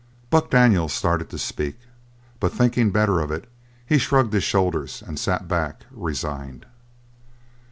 Buck Daniels started to speak, but thinking better of it he shrugged his shoulders and sat back, resigned.